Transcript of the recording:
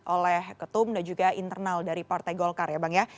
oleh ketum dan juga internal dari partai golkar ya bang ya